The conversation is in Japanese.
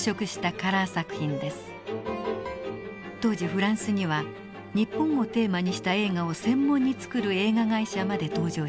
当時フランスには日本をテーマにした映画を専門に作る映画会社まで登場します。